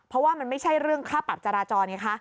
เพราะว่ามันไม่ใช่เรื่องค่าปรับจราจรไงคะ